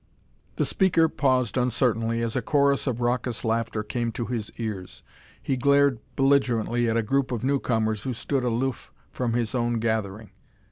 The speaker paused uncertainly as a chorus of raucous laughter came to his ears. He glared belligerently at a group of newcomers who stood aloof from his own gathering.